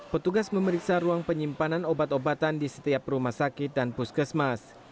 petugas memeriksa ruang penyimpanan obat obatan di setiap rumah sakit dan puskesmas